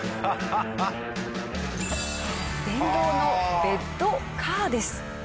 電動のベッドカーです。